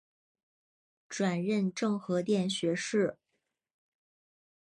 转任政和殿学士。